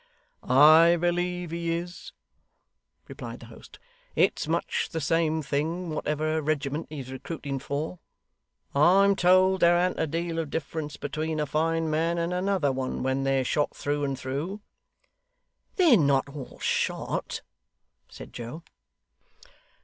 'I believe he is,' replied the host. 'It's much the same thing, whatever regiment he's recruiting for. I'm told there an't a deal of difference between a fine man and another one, when they're shot through and through.' 'They're not all shot,' said Joe.